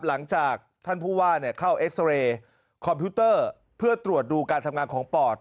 หลังจากท่านผู้ว่าเข้าเอ็กซาเรย์คอมพิวเตอร์เพื่อตรวจดูการทำงานของปอด